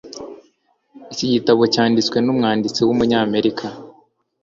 Iki gitabo cyanditswe numwanditsi wumunyamerika.